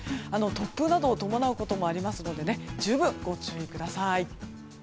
突風などを伴うこともありますので十分ご注意ください。